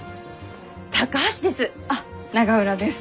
高橋です。